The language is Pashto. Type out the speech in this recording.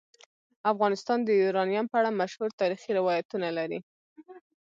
افغانستان د یورانیم په اړه مشهور تاریخی روایتونه لري.